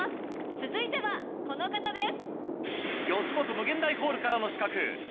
続いてはこの方です。